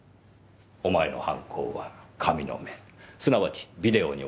お前の犯行は神の目すなわちビデオに収めた。